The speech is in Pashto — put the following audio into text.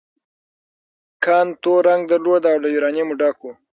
کان تور رنګ درلود او له یورانیم ډک و.